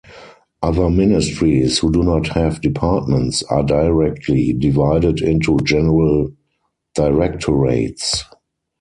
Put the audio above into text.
Other ministries, who do not have departments, are directly divided into general directorates.